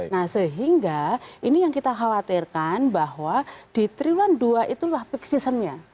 nah sehingga ini yang kita khawatirkan bahwa di tribulan dua itulah peak season nya